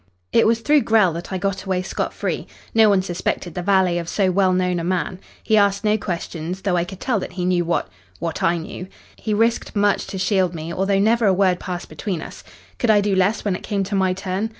"It was through Grell that I got away scot free. No one suspected the valet of so well known a man. He asked no questions, though I could tell that he knew what what I knew. He risked much to shield me, although never a word passed between us. Could I do less when it came to my turn?